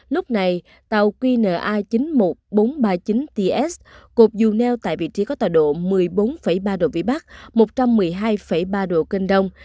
lúc này tàu qna chín mươi một nghìn bốn trăm ba mươi chín ts cột dù neo tại vị trí có tòa độ một mươi bốn ba độ vĩ bắc một trăm một mươi hai ba độ kinh đông